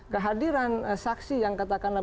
kehadiran saksi yang katakanlah